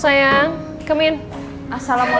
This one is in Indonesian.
ma aku sama rena boleh masuk